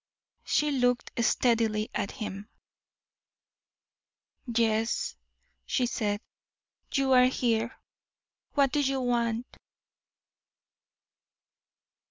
She looked steadily at him. "Yes," she said, "you are here. What do you want?"